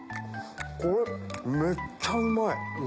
これめっちゃうまい！